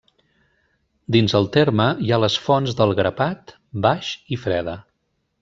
Dins el terme hi ha les fonts del Grapat, Baix i Freda.